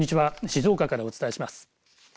静岡からお伝えします。